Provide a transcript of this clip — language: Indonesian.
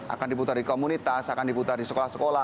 akan diputar di komunitas akan diputar di sekolah sekolah